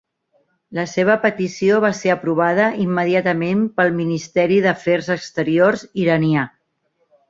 La seva petició va ser aprovada immediatament pel Ministeri d'Afers Exteriors iranià.